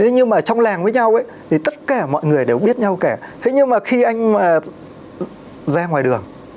như mà trong làng với nhau ấy thì tất cả mọi người đều biết nhau kẻ thế nhưng mà khi anh ra ngoài đường